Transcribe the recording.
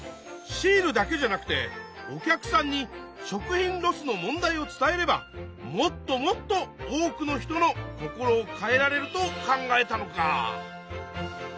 シールだけじゃなくてお客さんに食品ロスの問題を伝えればもっともっと多くの人の心を変えられると考えたのか！